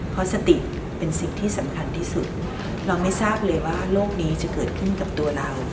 เพราะสติเป็นสิ่งที่สำคัญที่สุดเราไม่ทราบเลยว่าโรคนี้จะเกิดขึ้นกับตัวเรา